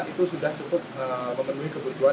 itu sudah cukup memenuhi kebutuhan